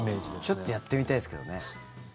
ちょっとやってみたいですけどね。